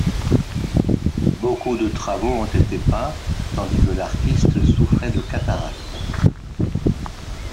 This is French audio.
Beaucoup de travaux ont été peints tandis que l'artiste souffrait de cataracte.